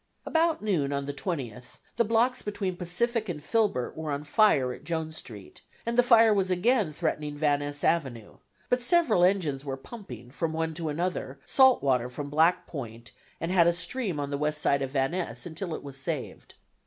About noon on the 20th the blocks between Pacific and Filbert were on fire at Jones Street, and the fire was again threatening Van Ness Avenue, but several engines were pumping, from one to another, saltwater from Black Point and had a stream on the west side of Van Ness until it was saved.